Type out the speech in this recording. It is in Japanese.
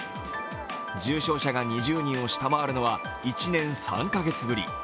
重症者は２０人を下回るのは１年３カ月ぶり。